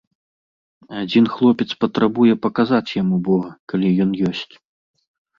Адзін хлопец патрабуе паказаць яму бога, калі ён ёсць.